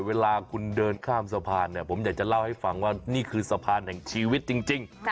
เวลาคุณเดินข้ามสะพานเนี่ยผมอยากจะเล่าให้ฟังว่านี่คือสะพานแห่งชีวิตจริง